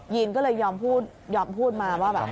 ีนก็เลยยอมพูดยอมพูดมาว่าแบบ